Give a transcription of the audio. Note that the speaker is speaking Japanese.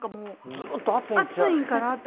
ずっと暑いんかなと。